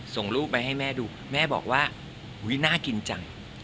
ส่งรูปไปให้แม่ดูแม่บอกว่าอุ๊ยน่ากินจัง